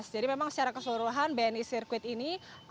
jadi memang secara keseluruhan bni circuit ini